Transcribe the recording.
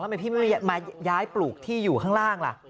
ทำไมพี่ไม่มาย้ายปลูกที่อยู่ข้างล่างล่ะ